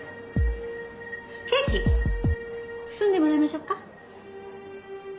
ケーキ包んでもらいましょうか？